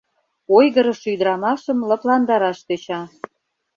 Ойгырышо ӱдырамашым лыпландараш тӧча.